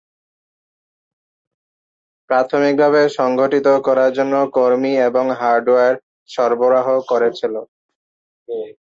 প্রাথমিকভাবে সংগঠিত করার জন্য কর্মী এবং হার্ডওয়্যার সরবরাহ করেছিলো।